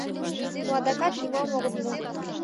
Но адакат нимом огыт му.